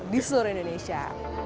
di seluruh indonesia